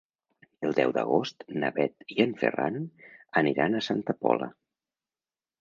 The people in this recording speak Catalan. El deu d'agost na Bet i en Ferran aniran a Santa Pola.